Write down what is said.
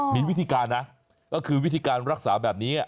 มีวิธีการนะก็คือวิธีการรักษาแบบนี้